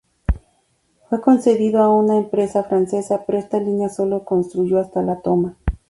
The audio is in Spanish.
Fue concedido a una empresa francesa, pero esta línea solo se construyó hasta Toma.